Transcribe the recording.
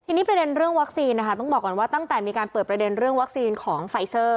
ทีนี้ประเด็นเรื่องวัคซีนนะคะต้องบอกก่อนว่าตั้งแต่มีการเปิดประเด็นเรื่องวัคซีนของไฟเซอร์